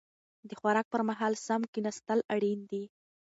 د خوراک پر مهال سم کيناستل اړين دي.